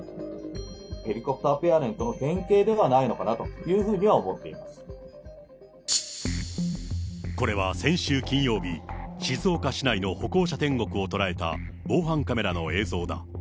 ヘリコプターペアレントの典型ではないのかなというふうにはこれは先週金曜日、静岡市の歩行者天国を捉えた防犯カメラの映像だ。